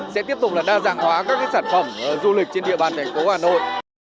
sẽ tiếp tục đa dạng hóa các sản phẩm du lịch trên địa bàn thành phố hà nội